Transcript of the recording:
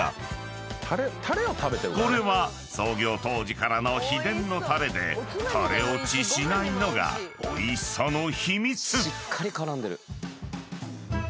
［これは創業当時からの秘伝のタレでタレ落ちしないのがおいしさの秘密］